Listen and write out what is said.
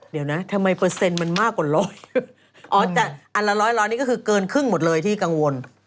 เดี๋ยวนะทำไมเปอร์เซ็นต์มันมากกว่าร้อยอ๋ออันละร้อยนี่ก็คือเกินครึ่งหมดเลยที่กังวล